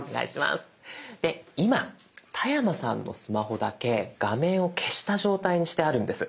で今田山さんのスマホだけ画面を消した状態にしてあるんです。